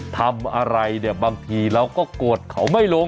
ทำอะไรเนี่ยบางทีเราก็โกรธเขาไม่ลง